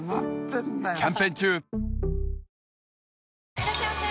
いらっしゃいませ！